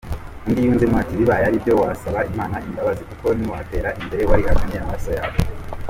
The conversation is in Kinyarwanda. Undi yunzemo ati " Bibaye aribyo wazasaba imana imbabazi kuko niwatera imbere warihakanye amaraso yawe ".